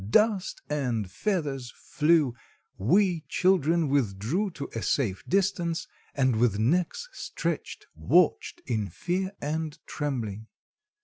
Dust and feathers flew. We children withdrew to a safe distance, and with necks stretched watched in fear and trembling.